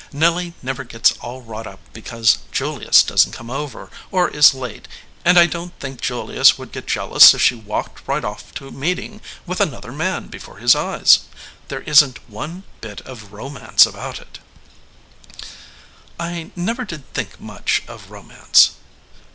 Nelly never gets all wrought up because Julius doesn t come over, or is late, and I don t think Julius would get jealous if she walked right off to meeting with another man before his eyes. There isn t one bit of romance about it." 189 EDGEWATER PEOPLE "I never did think much of romance."